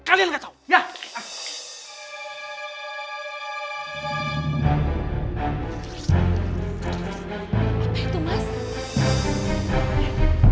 kalian jangan berisik